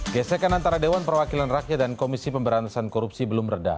gesekan antara dewan perwakilan rakyat dan komisi pemberantasan korupsi belum reda